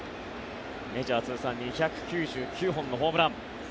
メジャー通算２９９本のホームラン。